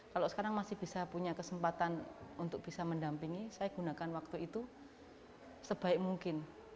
kalau sekarang masih bisa punya kesempatan untuk bisa mendampingi saya gunakan waktu itu sebaik mungkin